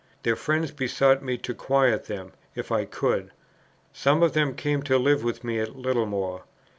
Their friends besought me to quiet them, if I could. Some of them came to live with me at Littlemore.